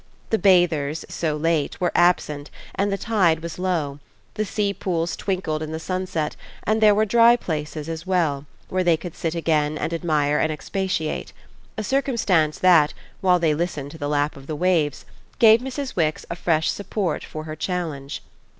The bathers, so late, were absent and the tide was low; the sea pools twinkled in the sunset and there were dry places as well, where they could sit again and admire and expatiate: a circumstance that, while they listened to the lap of the waves, gave Mrs. Wix a fresh support for her challenge.